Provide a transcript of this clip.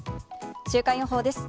週間予報です。